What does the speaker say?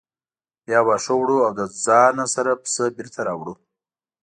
بیا واښه وړو او له ځانه سره پسه بېرته راوړو.